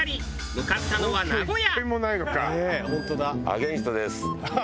向かったのは名古屋。